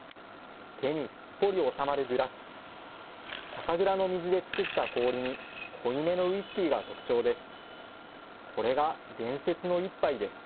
手にすっぽり収まるグラス、酒蔵の水で作った氷に濃いめのウイスキーが特徴です。